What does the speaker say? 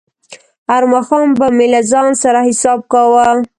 هر ماښام به مې له ځان سره حساب کاوه.